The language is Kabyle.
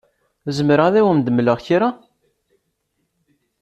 Zemreɣ ad awen-d-mleɣ kra?